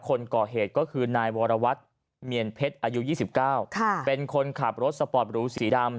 คนก่อเหตุก็คือนายวรวัตรเมียนเพชรอายุ๒๙เป็นคนขับรถสปอร์ตหรูสีดำ